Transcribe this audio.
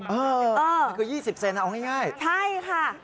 เออมันคือ๒๐เซนเอาง่ายใช่ค่ะ